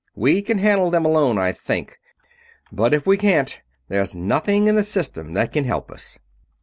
We can handle them alone, I think; but if we can't, there's nothing in the System that can help us!"